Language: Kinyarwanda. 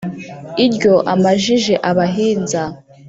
iryo amajije abahinza,